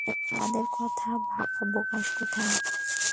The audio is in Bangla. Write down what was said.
তাদের কথা ভাববার অবকাশ কোথায়!